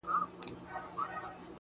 • زما خوبـونو پــه واوښـتـل.